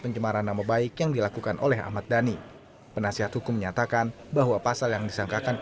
yang kita anggap salah dari kemudian tidak ada penanggalan